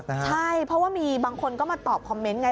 ใช่เพราะว่ามีบางคนก็มาตอบคอมเมนต์ไง